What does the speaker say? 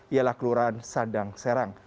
ialah kelurahan sandang serang